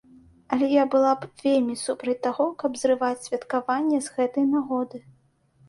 Але я была б вельмі супраць таго, каб зрываць святкаванне з гэтай нагоды.